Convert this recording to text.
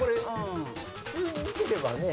普通に見てればね。